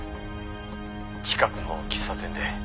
「近くの喫茶店で」